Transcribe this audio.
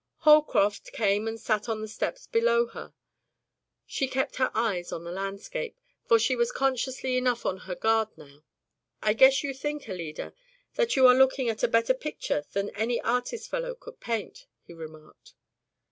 Holcroft came and sat on the steps below her. She kept her eyes on the landscape, for she was consciously enough on her guard now. "I rather guess you think, Alida, that you are looking at a better picture than any artist fellow could paint?" he remarked.